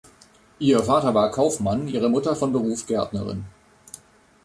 Ihr Vater war Kaufmann, ihre Mutter von Beruf Gärtnerin.